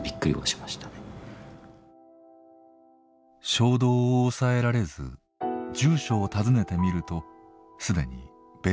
衝動を抑えられず住所を訪ねてみると既に別の人が住んでいました。